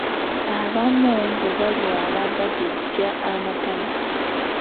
Abamu bwe balwala bagejja amatama.